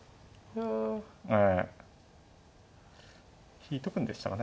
引いとくんでしたかね。